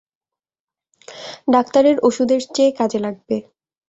ডাক্তারের ওষুধের চেয়ে কাজে লাগবে।